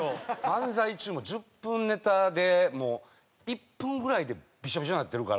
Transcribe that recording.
漫才中も１０分ネタでもう１分ぐらいでビショビショになってるから。